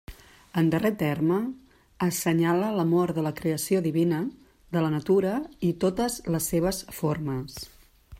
En darrer terme, assenyala l'amor de la creació divina, de la natura i totes les seves formes.